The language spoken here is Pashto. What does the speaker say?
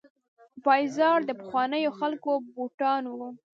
پایزار د پخوانیو خلکو بوټان وو.